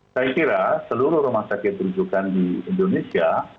saya kira seluruh rumah sakit rujukan di indonesia